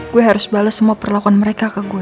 gue harus bales semua perlakuan mereka ke gue